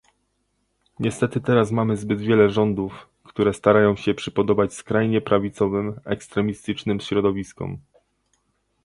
Niestety teraz mamy zbyt wiele rządów, które starają się przypodobać skrajnie prawicowym, ekstremistycznym środowiskom